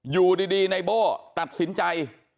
อยู่ดีในโบ้ตัดสินใจ